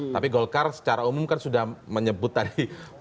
tapi golkar secara umum kan sudah menyebut tadi